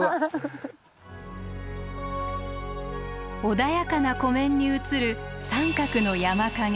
穏やかな湖面に映る三角の山影。